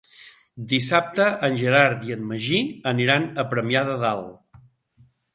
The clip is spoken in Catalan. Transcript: Dissabte en Gerard i en Magí aniran a Premià de Dalt.